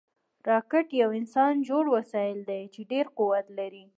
راکټ یو انسانجوړ وسایل دي چې ډېر قوت لري